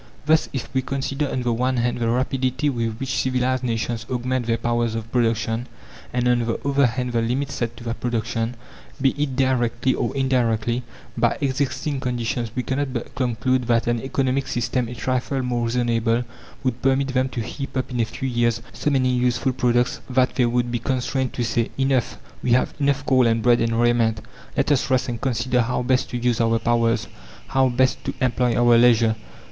Thus, if we consider on the one hand the rapidity with which civilized nations augment their powers of production, and on the other hand the limits set to that production, be it directly or indirectly, by existing conditions, we cannot but conclude that an economic system a trifle more reasonable would permit them to heap up in a few years so many useful products that they would be constrained to say "Enough! We have enough coal and bread and raiment! Let us rest and consider how best to use our powers, how best to employ our leisure."